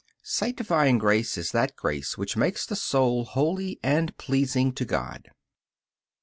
Sanctifying grace is that grace which makes the soul holy and pleasing to God.